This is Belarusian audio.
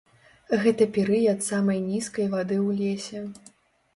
Гэта перыяд самай нізкай вады ў лесе.